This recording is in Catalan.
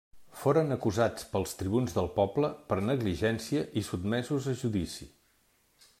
Foren acusats pels tribuns del poble per negligència i sotmesos a judici.